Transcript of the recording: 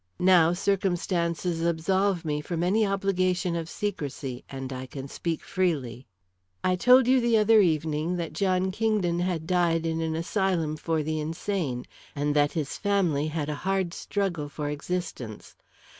Now, circumstances absolve me from any obligation of secrecy and I can speak freely. "I told you the other evening that John Kingdon had died in an asylum for the insane, and that his family had a hard struggle for existence.